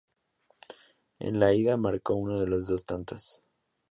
En la Ida marcó uno de los dos tantos.